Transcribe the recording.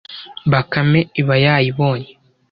Bakame iba yayibonye